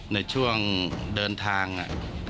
ในช่วงเดินทาง